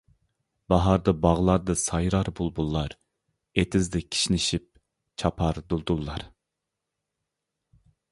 باھاردا باغلاردا سايرار بۇلبۇللار، ئېتىزدا كىشنىشىپ چاپار دۇلدۇللار.